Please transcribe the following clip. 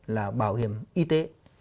là bảo hiểm y tế